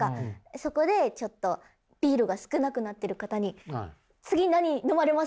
そこでちょっとビールが少なくなってる方に次なに飲まれますか？